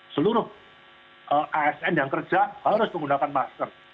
seluruh asn yang kerja harus menggunakan masker